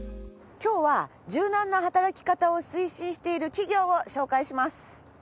今日は柔軟な働き方を推進している企業を紹介します。